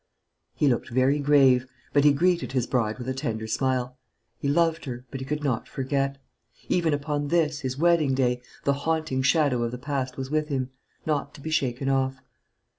He looked very grave; but he greeted his bride with a tender smile. He loved her, but he could not forget. Even upon this, his wedding day, the haunting shadow of the past was with him: not to be shaken off.